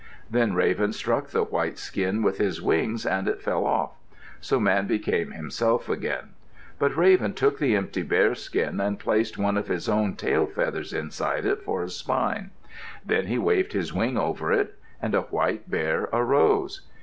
Then Raven struck the white skin with his wings and it fell off. So Man became himself again. But Raven took the empty bearskin, and placed one of his own tail feathers inside it for a spine. Then he waved his wing over it, and a white bear arose.